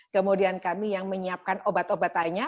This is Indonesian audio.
kemudian kami yang menyiapkan obat obatannya